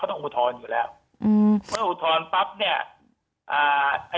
ต้องอุทธรณ์อยู่แล้วอืมเมื่ออุทธรณ์ปั๊บเนี้ยอ่าไอ้